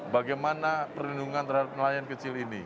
bagaimana perlindungan terhadap nelayan kecil ini